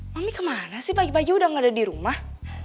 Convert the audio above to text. mami kemana sih pagi pagi udah gak ada di rumah